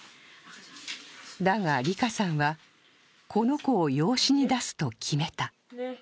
だが、りかさんはこの子を養子に出すと決めた。